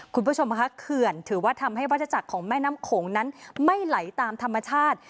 คุณผู้ชมค่ะเขื่อนถือว่าทำให้วัฒจักรของแม่น้ำโขงนั้นไม่ไหลตามธรรมชาติ